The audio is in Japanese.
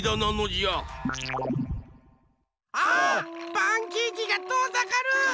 パンケーキがとおざかる！